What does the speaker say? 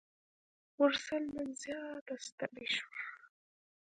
مرسل نن زیاته ستړي شوه.